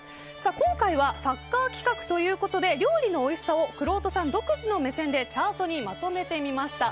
今回はサッカー企画ということで料理のおいしさをくろうとさん独自の目線でチャートにまとめてみました。